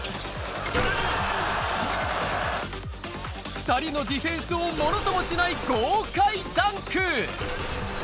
２人のディフェンスをものともしない豪快ダンク！